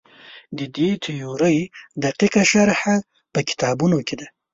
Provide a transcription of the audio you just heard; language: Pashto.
د دې تیورۍ دقیقه شرحه په کتابونو کې ده.